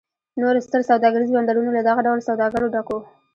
نور ستر سوداګریز بندرونه له دغه ډول سوداګرو ډک و.